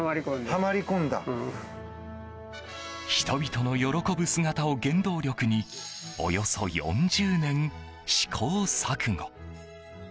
人々の喜ぶ姿を原動力におよそ４０年、試行錯誤。